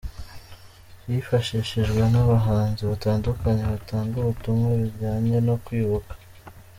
Hifashishijwe n’abahanzi batandukanye batanga ubutumwa bujyanye no kwibuka.